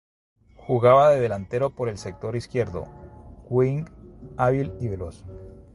Jugaba de delantero por el sector izquierdo, wing hábil y veloz.